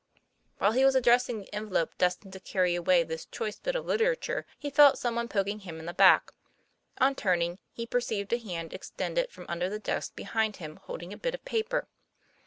While he was addressing the envelope destined to carry away this choice bit of literature, he felt some one poking him in the back. On turning, he per ceived a hand extended from under the desk behind him, holding a bit of paper.